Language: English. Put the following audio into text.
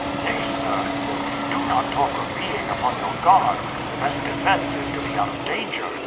"Nay, sir," says he, "do not talk of being upon your guard; the best defence is to be out of danger.